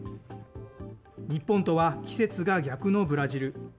日本とは季節が逆のブラジル。